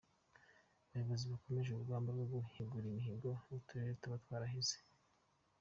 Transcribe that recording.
Abayobozi bakomeje urugamba rwo guhigura imihigo uturere tuba twarahize.